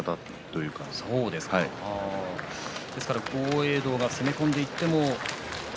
いくら豪栄道が攻め込んでいっても。